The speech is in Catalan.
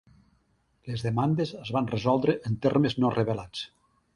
Les demandes es van resoldre en termes no revelats.